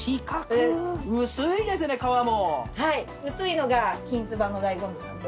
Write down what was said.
薄いのがきんつばの醍醐味なんで。